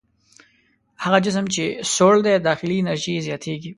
هغه جسم چې سوړ دی داخلي انرژي یې زیاتیږي.